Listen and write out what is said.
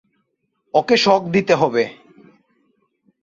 ওকে shock দিতে হবে।